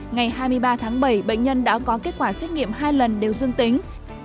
ngày hai mươi ba tháng bảy bệnh nhân đã có kết quả xét nghiệm hai lần đều dương tính